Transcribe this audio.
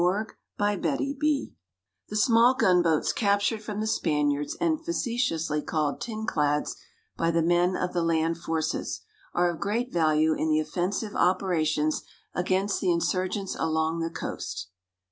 THE TIN CLADS The small gunboats captured from the Spaniards and facetiously called "tin clads" by the men of the land forces, are of great value in the offensive operations against the insurgents along the coast.